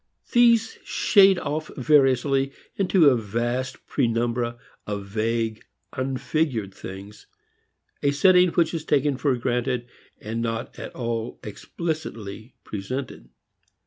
These shade off variously into a vast penumbra of vague, unfigured things, a setting which is taken for granted and not at all explicitly presented.